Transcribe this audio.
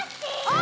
あ！